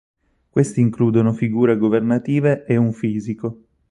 Questi includono figure governative e un fisico.